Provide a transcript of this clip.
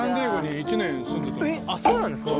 あっそうなんですか？